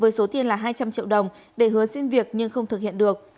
với số tiền là hai trăm linh triệu đồng để hứa xin việc nhưng không thực hiện được